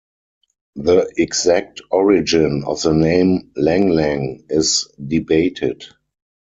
The exact origin of the name Lang Lang is debated.